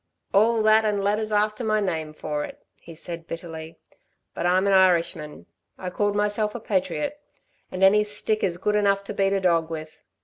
"All that, and letters after my name for it," he said, bitterly. "But I'm an Irishman ... I called myself a patriot and any stick is good enough to beat a dog with.